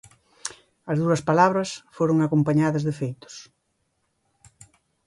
As duras palabras foron acompañadas de feitos.